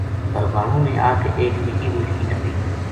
بھربھانو نے آ کے ا یک نِکی بیٹکی نَپی